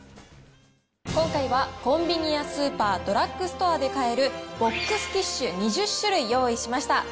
今回はコンビニやスーパー、ドラッグストアで買えるボックスティッシュ２０種類、用意しました。